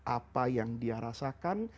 apa yang dia rasakan